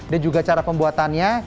dan juga cara pembuatannya